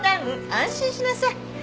安心しなさい。